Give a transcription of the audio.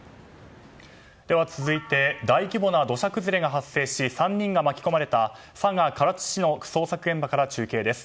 続いて大規模な土砂崩れが発生し３人が巻き込まれた佐賀・唐津市の捜索現場から中継です。